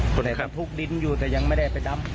คนไหนบรรทุกดินอยู่แต่ยังไม่ได้ไปดำ